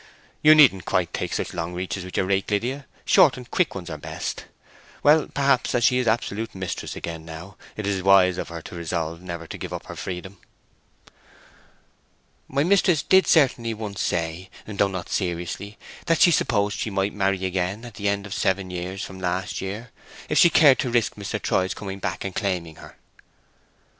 "You needn't take quite such long reaches with your rake, Lydia—short and quick ones are best. Well, perhaps, as she is absolute mistress again now, it is wise of her to resolve never to give up her freedom." "My mistress did certainly once say, though not seriously, that she supposed she might marry again at the end of seven years from last year, if she cared to risk Mr. Troy's coming back and claiming her."